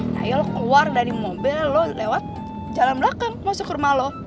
nah ya lo keluar dari mobil lo lewat jalan belakang masuk ke rumah lo